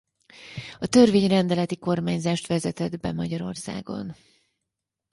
A törvény rendeleti kormányzást vezetett be Magyarországon.